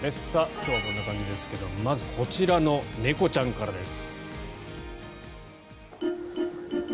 今日はこんな感じですがまずこちらの猫ちゃんからです。